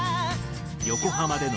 横浜での